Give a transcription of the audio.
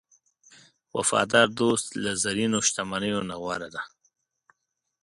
وفادار دوست له زرینو شتمنیو نه غوره دی.